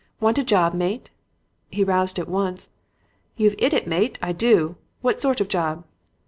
"'Want a job, mate?' "He roused at once. 'You've 'it it, mate. I do. What sort of job?'